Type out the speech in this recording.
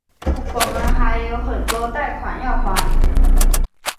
我们还有很多贷款要还